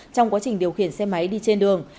trong quá trình điều khiển xe máy đi trên đường